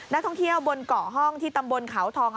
นักท่องเที่ยวบนเกาะห้องที่ตำบลเขาทอง